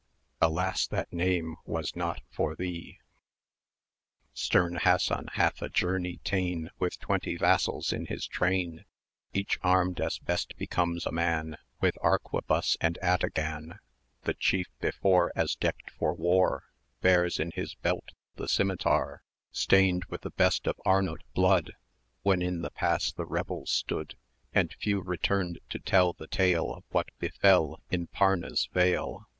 Alas! that name was not for thee! Stern Hassan hath a journey ta'en With twenty vassals in his train, 520 Each armed, as best becomes a man, With arquebuss and ataghan; The chief before, as decked for war, Bears in his belt the scimitar Stained with the best of Arnaut blood, When in the pass the rebels stood, And few returned to tell the tale Of what befell in Parne's vale.